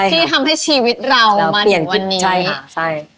ที่ทำให้ชีวิตเรามาถึงวันนี้ใช่